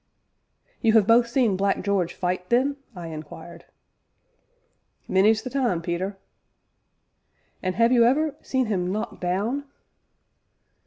"You have both seen Black George fight, then?" I inquired. "Many's the time, Peter." "And have you ever seen him knocked down?"